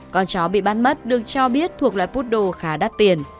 con chó bị bắt mất được cho biết thuộc loạt bút đồ khá đắt tiền